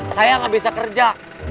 saya gak bisa kerja